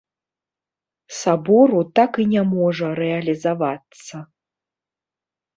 Сабору так і не можа рэалізавацца.